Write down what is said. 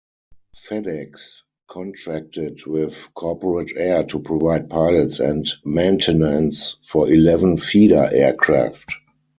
FedEx contracted with Corporate Air to provide pilots and maintenance for eleven feeder aircraft.